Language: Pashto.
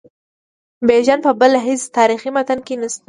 بیژن په بل هیڅ تاریخي متن کې نسته.